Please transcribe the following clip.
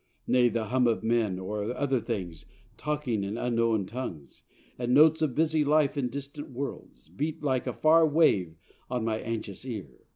Nay, the hum of men, Or other things talking in unknown tongues, And notes of busy life in distant worlds Beat like a far wave on my anxious ear.